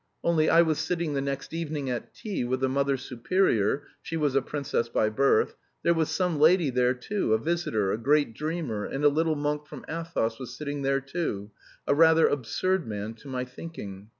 Only I was sitting the next evening at tea with the Mother Superior (she was a princess by birth), there was some lady there too, a visitor, a great dreamer, and a little monk from Athos was sitting there too, a rather absurd man to my thinking.